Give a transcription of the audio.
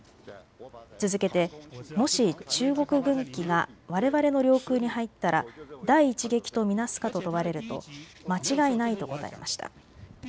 続けてもし中国軍機がわれわれの領空に入ったら第一撃と見なすかと問われると間違いないと答えました。